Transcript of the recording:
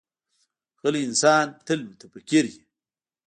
غلی انسان، تل متفکر وي.